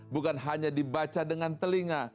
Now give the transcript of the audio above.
bukan hanya dibaca dengan telinga